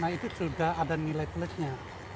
jadi itu sudah ada nilai nilainya